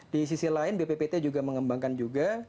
di sisi lain bppt juga mengembangkan juga